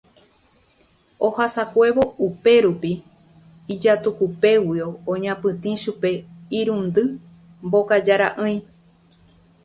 ohasakuévo upérupi ijatukupéguio oñapytĩ chupe irundy mbokara'ỹi.